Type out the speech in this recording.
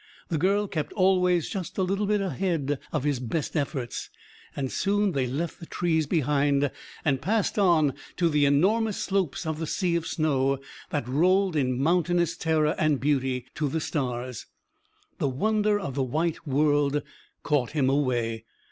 The girl kept always just a little bit ahead of his best efforts.... And soon they left the trees behind and passed on to the enormous slopes of the sea of snow that rolled in mountainous terror and beauty to the stars. The wonder of the white world caught him away.